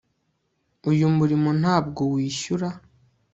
uyu murimo ntabwo wishyura